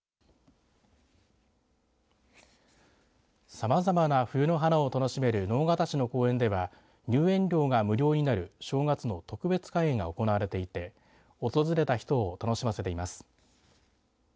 さまざまな冬の花を楽しめる直方市の公園では入園料が無料になる正月の特別開園が行われていて訪れた人を楽しませています。